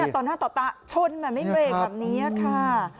ตอนหน้าต่อตะชนแบบนี้ครับ